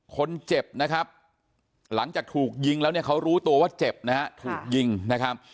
คนเจ็บนะครับหลังจากถูกยิงแล้วเนี่ยเขารู้ตัวว่าเจ็บนะฮะถูกยิงนะครับ